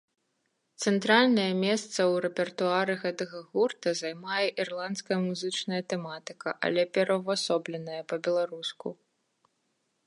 Цэнтральнае месца ў рэпертуары гэтага гурта займае ірландская музычная тэматыка, але пераўвасобленая па-беларуску.